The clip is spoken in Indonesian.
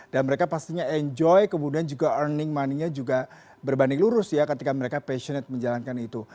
dan mereka pastinya enjoy kemudian juga earning money nya juga berbanding lurus ya ketika mereka passionate menjalankan itu